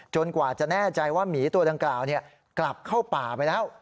กว่าจะแน่ใจว่าหมีตัวดังกล่าวกลับเข้าป่าไปแล้ว